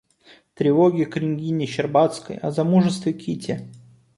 Тревоги княгини Щербацкой о замужестве Кити.